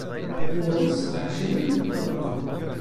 Ɣur-s ɛecrin n tiɣeṭṭen.